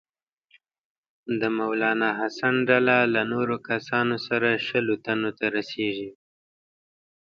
د مولنا حسن ډله له نورو کسانو سره شلو تنو ته رسیږي.